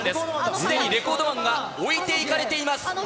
すでにレコードマンが置いていかれています。